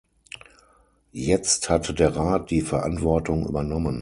Jetzt hatte der Rat die Verantwortung übernommen.